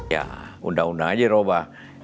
ya undang undang aja dirobah